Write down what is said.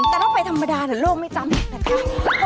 แต่เราไปธรรมดาเหรอรถโลกไม่จำนะคะ